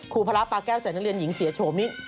พระปาแก้วใส่นักเรียนหญิงเสียโฉมนี้